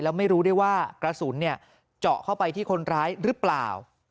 แล้วไม่รู้ได้ว่ากระสุนเจาะเข้าไปที่คนร้ายหรือเปล่า